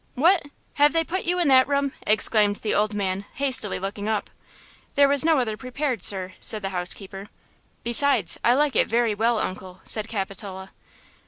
"What! Have they put you in that room?" exclaimed the old man, hastily looking up. "There was no other one prepared, sir," said the housekeeper. "Besides, I like it very well, uncle," said Capitola.